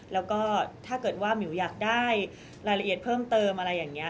แล้วก็ถ้าเกิดว่าหมิวอยากได้รายละเอียดเพิ่มเติมอะไรอย่างนี้